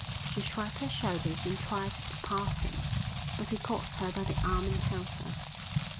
She shrugged her shoulders and tried to pass him, but he caught her by the arm and held her.